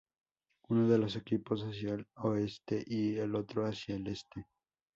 Uno de los equipos hacia el oeste y el otro hacia el este.